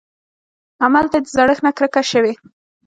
املته يې د زړښت نه کرکه شوې.